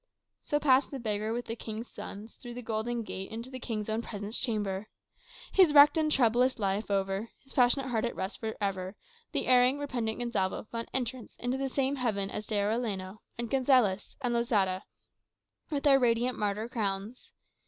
So passed the beggar with the King's sons, through the golden gate into the King's own presence chamber. His wrecked and troublous life over, his passionate heart at rest for ever, the erring, repentant Gonsalvo found entrance into the same heaven as D'Arellano, and Gonsalez, and Losada, with their radiant martyr crowns.